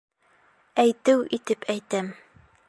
Әйтеү итеп әйтәм.